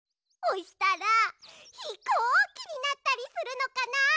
おしたらひこうきになったりするのかな？